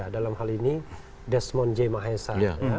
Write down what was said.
dalam hal ini desmond j mahesa